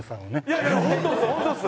いやいやホントです